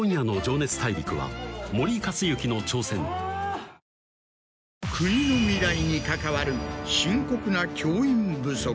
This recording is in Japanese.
東芝国の未来に関わる深刻な教員不足。